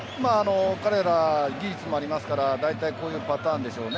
彼ら、技術もありますからだいたいこういうパターンでしょうね。